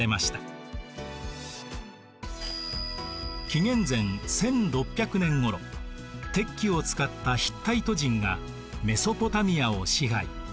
紀元前１６００年ごろ鉄器を使ったヒッタイト人がメソポタミアを支配。